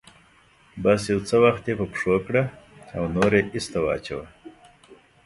بس يو څه وخت يې په پښو کړه او نور يې ايسته واچوه.